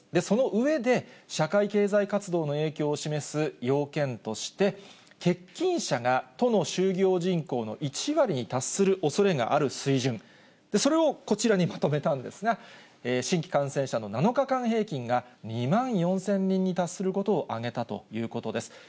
その上で、社会経済活動の影響を示す要件として、欠勤者が都の就業人口の１割に達するおそれがある水準、それをこちらにまとめたんですが、新規感染者の７日間平均が２万４０００人に達することを挙げたということです。